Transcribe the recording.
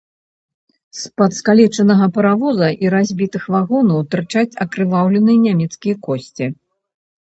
З-пад скалечанага паравоза і разбітых вагонаў тырчаць акрываўленыя нямецкія косці.